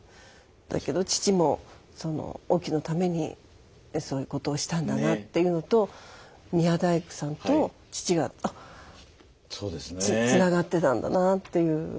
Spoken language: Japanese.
だけど父もその隠岐のためにそういうことをしたんだなっていうのと宮大工さんと父があっつながってたんだなあっていう。